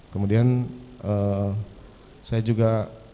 kemudian saya juga